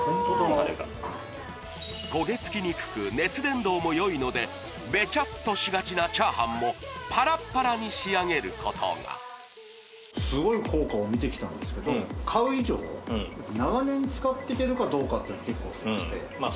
タレが焦げ付きにくく熱伝導もよいのでべちゃっとしがちな炒飯もパラパラに仕上げることがすごい効果を見てきたんですけど買う以上長年使っていけるかどうかって結構うんまあ